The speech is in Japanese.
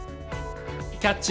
「『キャッチ！